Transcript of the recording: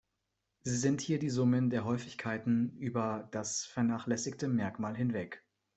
Sie sind hier die Summen der Häufigkeiten über das vernachlässigte Merkmal hinweg.